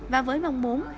và với mong muốn